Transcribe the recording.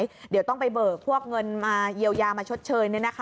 ก็อาจจะหายเดี๋ยวต้องไปเบิกพวกเงินเยียวยามาเฉาะเชิย